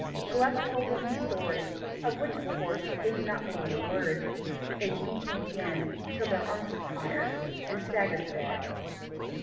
Gluck told them his story, of which, of course, they did not believe a word. They beat him again, till their arms were tired, and staggered to bed.